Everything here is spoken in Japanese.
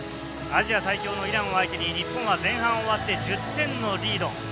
アジア最強のイランを相手に日本は前半終わって１０点のリード。